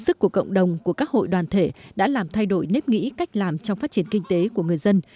sức của cộng đồng của các hội đoàn thể đã làm thay đổi nếp nghĩ cách làm trong phát triển kinh tế của người dân